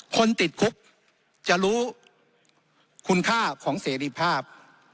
คนติดคุกจะรู้คุณค่าของเสรีภาพ